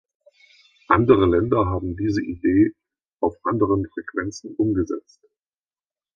Andere Länder haben diese Idee auf anderen Frequenzen umgesetzt.